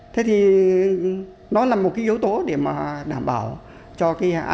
thế thì nó là một yếu tố để mà đảm bảo cho